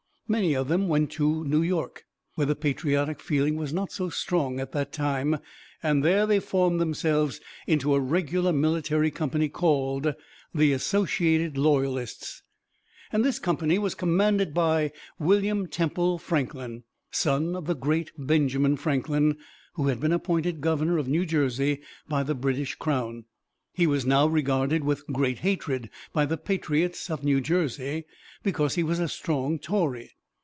Many of them went to New York, where the patriotic feeling was not so strong at that time, and there they formed themselves into a regular military company called the "Associated Loyalists"; and this company was commanded by William Temple Franklin, son of the great Benjamin Franklin, who had been appointed Governor of New Jersey by the British Crown. He was now regarded with great hatred by the patriots of New Jersey, because he was a strong Tory.